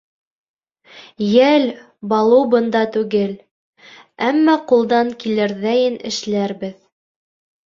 — Йәл, Балу бында түгел, әммә ҡулдан килерҙәйен эшләрбеҙ.